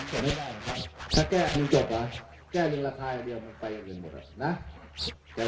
เมืองอัศวินธรรมดาคือสถานที่สุดท้ายของเมืองอัศวินธรรมดา